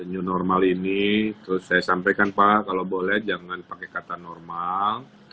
new normal ini terus saya sampaikan pak kalau boleh jangan pakai kata normal